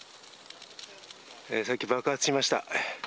さっき爆発しました。